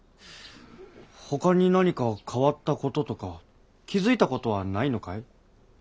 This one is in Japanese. ほかに何か変わったこととか気づいたことはないのかい？